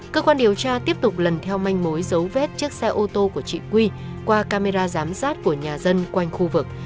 cơ quan điều tra tiếp tục lần theo manh mối giấu vết chiếc xe ô tô của chị quy qua camera giám sát của nhà dân quanh khu vực